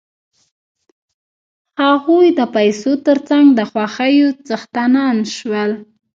هغوی د پیسو تر څنګ د خوښیو څښتنان شول